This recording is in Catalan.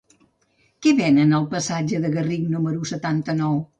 Què venen al passatge del Garric número setanta-nou?